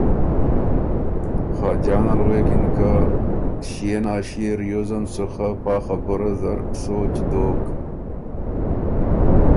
خاجان ال غوېکِن که ”ݭيې نا ݭيې ریوزن سُو خه پا خبُره زر سوچ دوک“